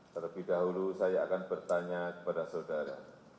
terlebih dahulu saya akan bertanya kepada saudara